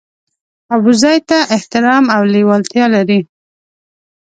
ابوزید ته احترام او لېوالتیا لري.